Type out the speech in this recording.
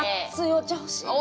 お茶ほしい。